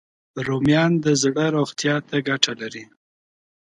رومیان د زړه روغتیا ته ګټه لري